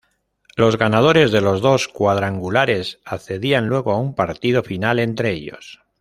Los ganadores de los dos cuadrangulares accedían luego a un partido final entre ellos.